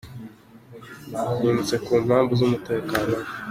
yimutse ku mpamvu z’umutekano we